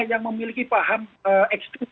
yang memiliki paham ekstrim